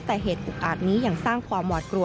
แต่เหตุอุกอาจนี้ยังสร้างความหวาดกลัว